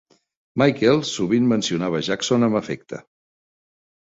Michael sovint mencionava Jackson amb afecte.